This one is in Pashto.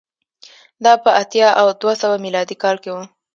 دا په اتیا او دوه سوه میلادي کال کې و